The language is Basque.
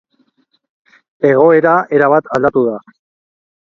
Egoera erabat aldatu da.